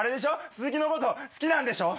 スズキのこと好きなんでしょ？